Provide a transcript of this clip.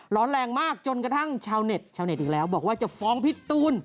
ร้อนแรงมากจนกระทั่งชาวเน็ตชาวเน็ตอีกแล้วบอกว่าจะฟ้องพี่ตูน